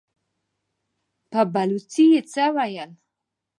په بلوڅي يې څه وويل!